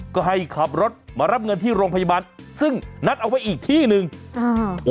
ก็ให้ขับรถมารับเงินที่โรงพยาบาลซึ่งนัดเอาไว้อีกที่หนึ่งอ่า